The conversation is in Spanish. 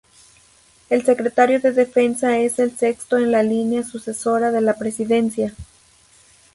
El secretario de Defensa es el sexto en la línea sucesoria de la presidencia.